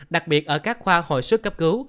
đặc biệt ở các khoa hồi sức cấp cứu